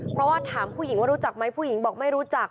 เพราะว่าถามผู้หญิงว่ารู้จักไหมผู้หญิงบอกไม่รู้จัก